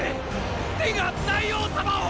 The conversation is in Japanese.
テンが大王様を！